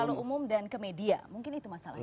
kalau umum dan ke media mungkin itu masalahnya